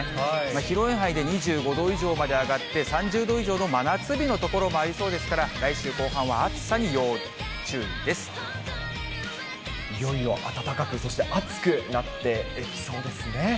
広い範囲で２５度以上まで上がって、３０度以上の真夏日の所もありそうですから、来週後半は暑さに要いよいよ暖かく、そして暑くなっていきそうですね。